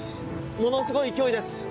ものすごい勢いです。